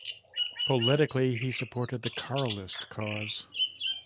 Politically he supported the Carlist cause.